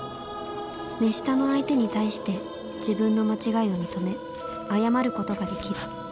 目下の相手に対して自分の間違いを認め謝ることができる。